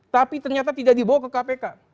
tapi ternyata tidak dibawa ke kpk